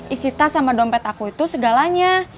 isi tas sama dompet aku itu segalanya